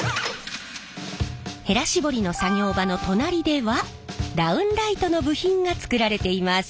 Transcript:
へら絞りの作業場の隣ではダウンライトの部品が作られています。